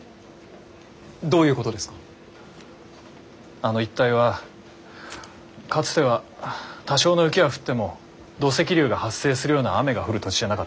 あの一帯はかつては多少の雪は降っても土石流が発生するような雨が降る土地じゃなかった。